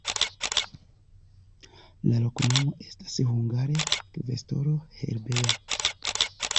La loknomo estas hungare: kvestoro-herbeja.